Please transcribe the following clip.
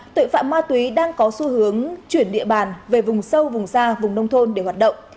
tội phạm ma túy đang có xu hướng chuyển địa bàn về vùng sâu vùng xa vùng nông thôn để hoạt động